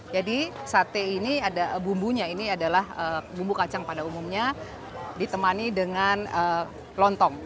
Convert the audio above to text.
jadi sate ini ada bumbunya ini adalah bumbu kacang pada umumnya ditemani dengan lontong